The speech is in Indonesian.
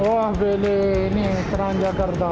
wah pilih ini transjakarta